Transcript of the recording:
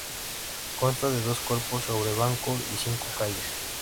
Consta de dos cuerpos sobre banco y cinco calles.